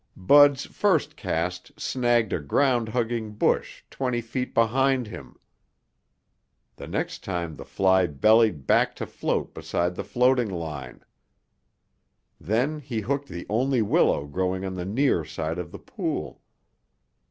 Bud's first cast snagged a ground hugging bush twenty feet behind him. The next time the fly bellied back to float beside the floating line. Then he hooked the only willow growing on the near side of the pool.